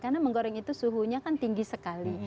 karena menggoreng itu suhunya kan tinggi sekali